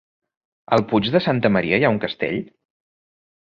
A el Puig de Santa Maria hi ha un castell?